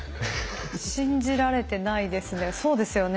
信じられてないですね。